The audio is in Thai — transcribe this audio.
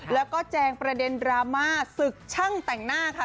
แล้วก็แจงประเด็นดราม่าศึกช่างแต่งหน้าค่ะ